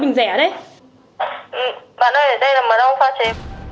bạn ơi đây là mật ong pha chế